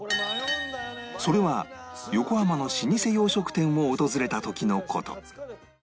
それは横浜の老舗洋食店を訪れた時の事